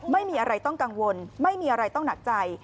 ไม่มีอะไรต้องกังวลไม่มีอะไรต้องหนักใจ